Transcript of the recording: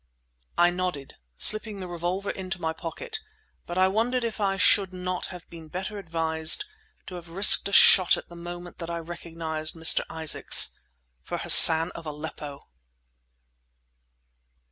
I nodded, slipping the revolver into my pocket, but I wondered if I should not have been better advised to have risked a shot at the moment that I had recognized "Mr. Isaacs" for Hassan of Aleppo.